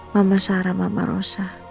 mama sarah mama rosa